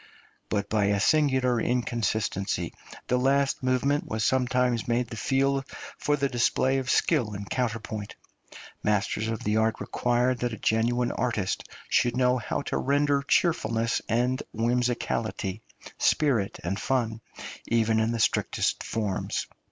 But by a singular inconsistency the last movement was sometimes made the field for the display of skill in counterpoint; masters of the art required that a genuine artist should know how to render cheerfulness and whimsicality, spirit and fun, even in the strictest forms.